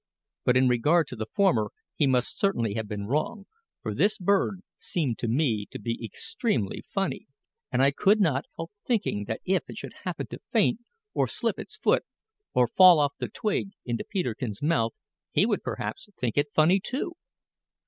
But in regard to the former, he must certainly have been wrong, for this bird seemed to me to be extremely funny; and I could not help thinking that if it should happen to faint, or slip its foot, and fall off the twig into Peterkin's mouth, he would perhaps think it funny too!